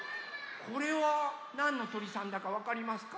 これはなんのとりさんだかわかりますか？